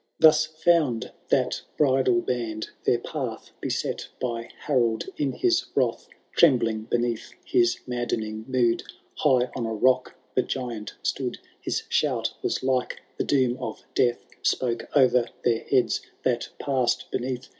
—. Thus found that bridal band their path Beset by Harold in his wrath. Trembling beneath his nwddening mood, High on a rock the giant stood ; His shout was like the doom of death Spoke o*er their heads that passed beneath.